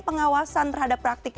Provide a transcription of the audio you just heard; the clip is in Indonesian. pengawasan terhadap praktik